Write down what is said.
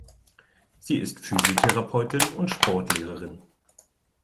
Sie ist Physiotherapeutin und Sportlehrerin.